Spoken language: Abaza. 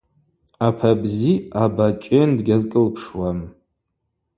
Апа бзи аба чӏен дгьазкӏылпшуам.